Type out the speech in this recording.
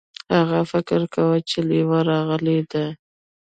هغه فکر کاوه چې لیوه راغلی دی.